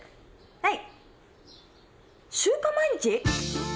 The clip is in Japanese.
☎はい。